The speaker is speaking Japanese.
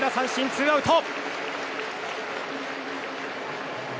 ツーアウト。